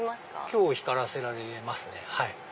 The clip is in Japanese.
今日光らせられますね。